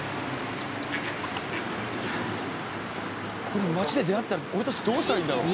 これ街で出会ったら俺たちどうしたらいいんだろう？